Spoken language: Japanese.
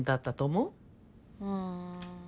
うん。